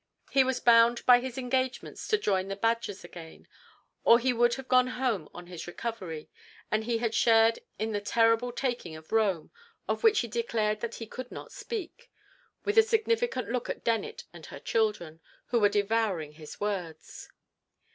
He was bound by his engagements to join the Badgers again, or he would have gone home on his recovery; and he had shared in the terrible taking of Rome, of which he declared that he could not speak—with a significant look at Dennet and her children, who were devouring his words.